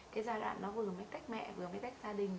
cái giai đoạn đó vừa mới tách mẹ vừa mới tách gia đình